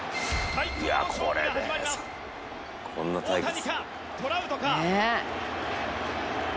大谷かトラウトか。